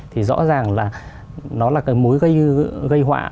thì rõ ràng là nó là cái mối gây họa